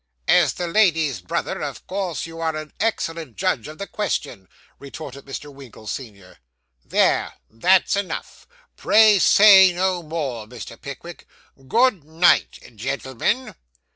'As the lady's brother, of course you are an excellent judge of the question,' retorted Mr. Winkle, senior. 'There; that's enough. Pray say no more, Mr. Pickwick. Good night, gentlemen!